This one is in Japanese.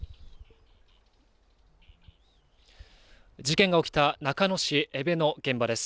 事件が起きた中野市江部の現場です。